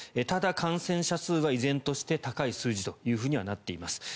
ただ、感染者数は依然として高い数字とはなっています。